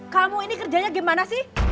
kamu ini kerjanya gimana sih